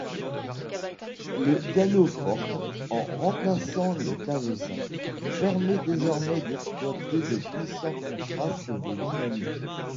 Le piano-forte, en remplaçant le clavecin, permet désormais d'exploiter de puissants contrastes de dynamique.